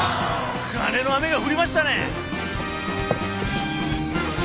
金の雨が降りましたね。